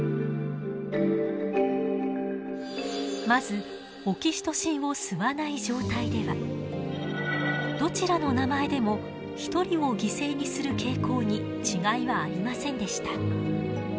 まずオキシトシンを吸わない状態ではどちらの名前でも１人を犠牲にする傾向に違いはありませんでした。